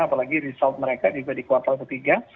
apalagi result mereka juga di kuartal ketiga